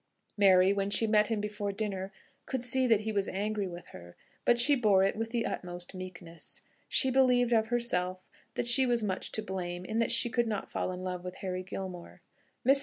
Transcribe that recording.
Mary, when she met him before dinner, could see that he was angry with her, but she bore it with the utmost meekness. She believed of herself that she was much to blame in that she could not fall in love with Harry Gilmore. Mrs.